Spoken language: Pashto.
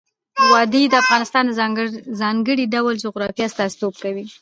وادي د افغانستان د ځانګړي ډول جغرافیه استازیتوب کوي.